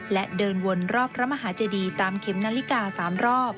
และเดินวนรอบพระมหาเจดีตามเข็มนาฬิกา๓รอบ